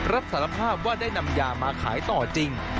รับสารภาพว่าได้นำยามาขายต่อจริง